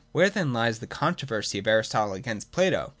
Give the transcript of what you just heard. Where then lies the controversy of Aristotle against Plato